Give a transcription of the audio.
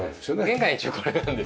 玄関は一応これなんです。